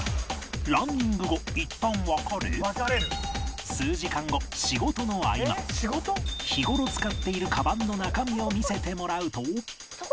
ランニング後数時間後仕事の合間日頃使っているカバンの中身を見せてもらうと